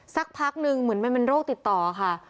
สักพักนึงเหมือนมันเป็นโรคติดต่อค่ะ